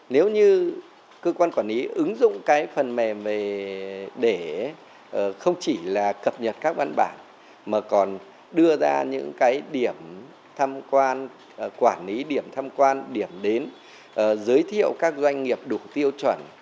nếu như cơ quan quản lý ứng dụng cái phần mềm để không chỉ là cập nhật các văn bản mà còn đưa ra những cái điểm tham quan quản lý điểm tham quan điểm đến giới thiệu các doanh nghiệp đủ tiêu chuẩn